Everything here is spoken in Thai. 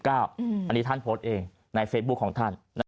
อันนี้ท่านโพสต์เองในเฟซบุ๊คของท่าน